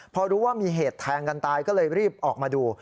พอรู้ว่ามีเหตุแทงกันตายก็เลยรีบออกมาดู